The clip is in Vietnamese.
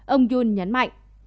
ông yoon nhấn mạnh